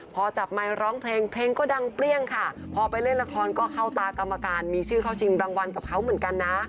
พอจับไมค์ร้องเพลงเพลงก็ดังเปรี้ยงค่ะพอไปเล่นละครก็เข้าตากรรมการมีชื่อเข้าชิงรางวัลกับเขาเหมือนกันนะ